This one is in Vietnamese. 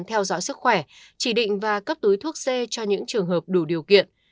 theo dõi sức khỏe chỉ định và cấp túi thuốc c cho những trường hợp đủ điều kiện